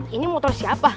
ini motor siapa